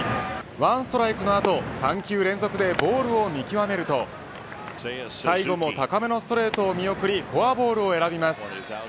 ワンストライクの後３球連続でボールを見極めると最後も高めのストレートを見送りフォアボールを選びます。